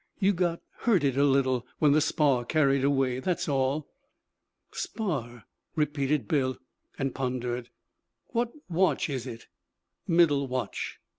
'You got hurted a little when the spar carried away. That's all.' 'Spar!' repeated Bill, and pondered. 'What watch is it?' 'Middle watch.'